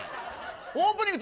オープニング